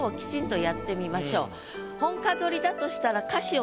本歌取りだとしたら。